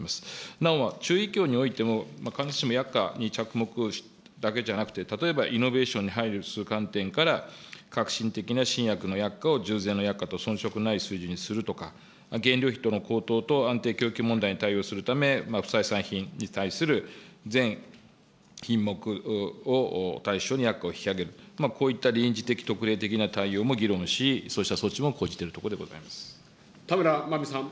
なお、中医協においても、必ずしも薬価に着目だけじゃなくて、例えばイノベーションに配慮する観点から、革新的な新薬の薬価を従前の薬価とそん色のない水準にするとか、原料費との高騰等安定供給に対応するため、不採算品に対する全品目を対象に薬価を引き上げる、こういった臨時的、特例的な対応も議論し、そうした措置も講じているところで田村まみさん。